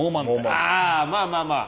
ああまあまあまあ。